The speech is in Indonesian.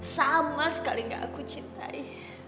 sama sekali tidak aku cintai